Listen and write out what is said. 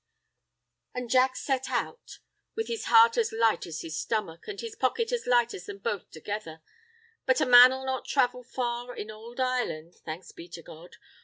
An' Jack set out, with his heart as light as his stomach, an' his pocket as light as them both together; but a man'll not travel far in ould Irelan' (thanks be to God!)